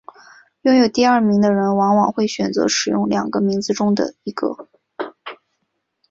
拥有第二名的人往往会选择使用两个名字中的一个。